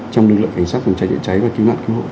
trong lực lượng cảnh sát phòng cháy chữa cháy và cứu nạn cứu hộ